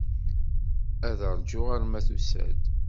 Ad ṛjuɣ arma tusa-d.